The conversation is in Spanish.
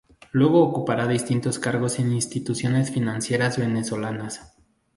Luego ocupará distintos cargos en instituciones financieras venezolanas.